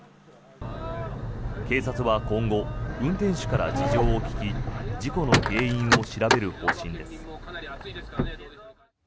警察は今後運転手から事情を聴き事故の原因を調べる方針です。